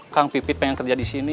kang pipit pengen kerja disini